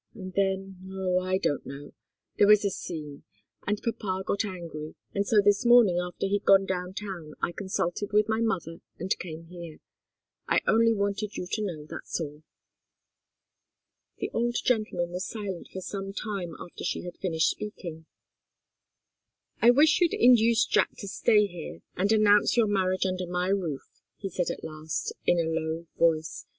And then oh, I don't know there was a scene, and papa got angry, and so this morning after he'd gone down town I consulted with my mother and came here. I only wanted you to know that's all." The old gentleman was silent for some time after she had finished speaking. "I wish you'd induce Jack to stay here, and announce your marriage under my roof," he said at last, in a low voice.